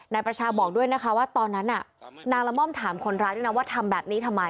นายประชาบอกด้วยนะคะว่าตอนนั้นน่ะนางละม่อมถามคนร้ายด้วยนะว่าทำแบบนี้ทำไม